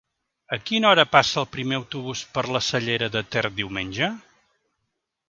A quina hora passa el primer autobús per la Cellera de Ter diumenge?